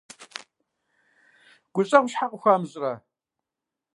ГущӀэгъу щхьэ къыхуамыщӀрэ?